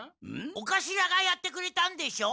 お頭がやってくれたんでしょ？